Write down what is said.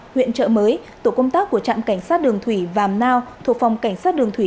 huyện trợ mới tổ công tác của trạm cảnh sát đường thủy vàm nao thuộc phòng cảnh sát đường thủy